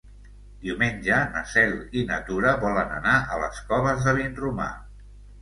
Diumenge na Cel i na Tura volen anar a les Coves de Vinromà.